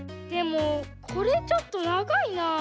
でもこれちょっとながいな。